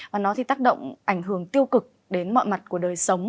và nó thì tác động ảnh hưởng tiêu cực đến mọi mặt của đời sống